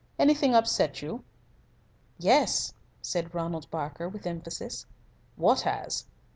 Anything upset you?" "Yes," said Ronald Barker, with emphasis. "What has?"